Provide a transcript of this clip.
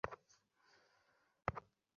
হেই, দুটো কমনওয়েলথ বানাও।